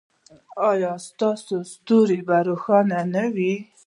ایا ستاسو ستوری به روښانه نه وي؟